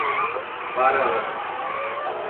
Paraná